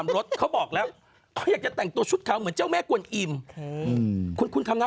ไม่ใช่ของเจ๊เกียวนะ